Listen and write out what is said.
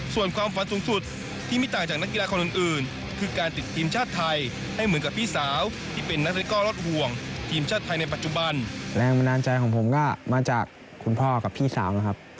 ส่วนความฝันสูงสุดที่ไม่ต่างจากนักกีฬาของอื่นคือการติดทีมชาติไทยให้เหมือนกับพี่สาว